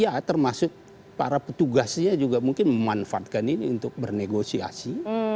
ya termasuk para petugasnya juga mungkin memanfaatkan ini untuk bernegosiasi